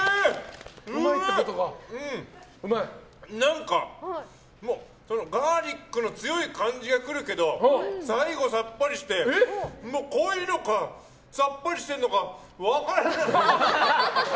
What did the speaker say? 何かガーリックの強い感じが来るけど最後さっぱりして濃いのか、さっぱりしているのか分からない！